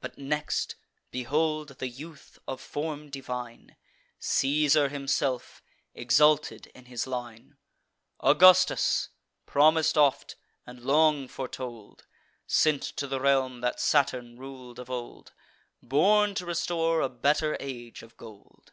But next behold the youth of form divine, Caesar himself, exalted in his line; Augustus, promis'd oft, and long foretold, Sent to the realm that Saturn rul'd of old; Born to restore a better age of gold.